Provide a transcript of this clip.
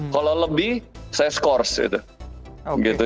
kalau lebih saya skors gitu